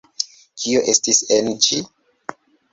Kio estis en ĝi?